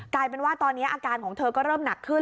กลายเป็นว่าตอนนี้อาการของเธอก็เริ่มหนักขึ้น